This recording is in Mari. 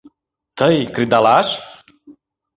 Тый кредалаш?!.